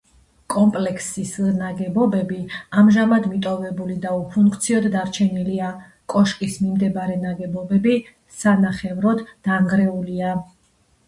კომპლექსის ნაგებობები ამჟამად მიტოვებული და უფუნქციოდ დარჩენილია; კოშკის მიმდებარე ნაგებობები სანახევროდ დანგრეულია.